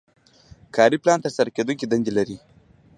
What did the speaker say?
کاري پلان ترسره کیدونکې دندې لري.